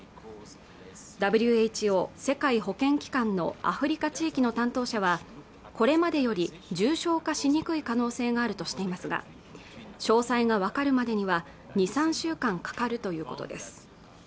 ＷＨＯ＝世界保健機関のアフリカ地域の担当者はこれまでより重症化しにくい可能性があるとしていますが詳細が分かるまでには２３週間かかるということです